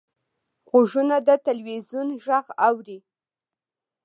غوږونه د تلویزیون غږ اوري